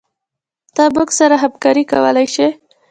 ته موږ سره همکارې کولي شي